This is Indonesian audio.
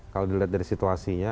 kalau dilihat dari situasinya